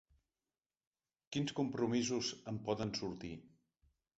Quins compromisos en poden sortir?